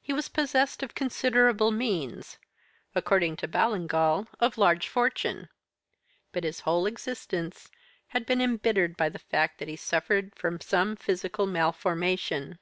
He was possessed of considerable means according to Ballingall, of large fortune. But his whole existence had been embittered by the fact that he suffered from some physical malformation.